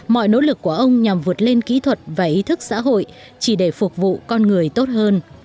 mọi nỗ lực của ông nhằm vượt lên kỹ thuật và ý thức xã hội chỉ để phục vụ con người tốt hơn